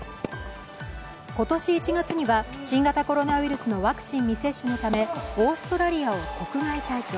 今年１月には、新型コロナウイルスのワクチン未接種のためオーストラリアを国外退去。